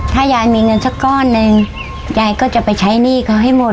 ถ้ายายมีเงินสักก้อนหนึ่งยายก็จะไปใช้หนี้เขาให้หมด